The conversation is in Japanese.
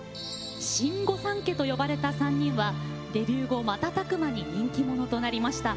新御三家と呼ばれた３人はデビュー後瞬く間に人気者となりました。